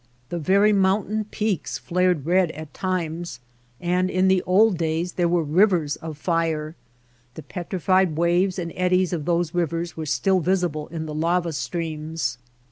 The very mountain peaks flared red at times, and in the old days there were rivers of fire. The petrified waves and eddies of those rivers were still visible in the lava streams.